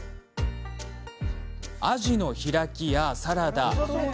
あじの開きやサラダ。